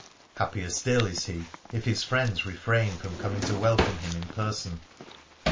Happier still is he if his friends refrain from coming to welcome him in person.